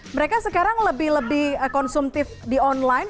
mereka sekarang lebih lebih konsumtif di online